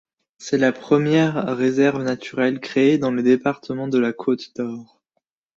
C'est la première réserve naturelle créée dans le département de la Côte-d'Or.